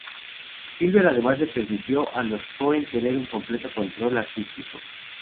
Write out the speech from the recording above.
Silver además le permitió a los Coen tener un completo control artístico.